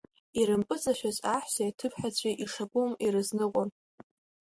Ирымпыҵашәаз аҳәсеи аҭыԥҳацәеи ишакәым ирызныҟәон.